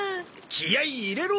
気合入れろ！